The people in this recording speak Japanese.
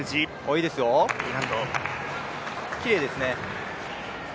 きれいですね。